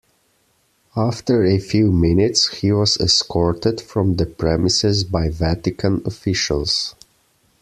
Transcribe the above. After a few minutes, he was escorted from the premises by Vatican officials.